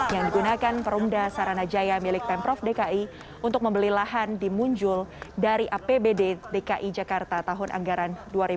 yang digunakan perumda saranajaya milik pemprov dki untuk membeli lahan dimuncul dari apbd dki jakarta tahun anggaran dua ribu dua puluh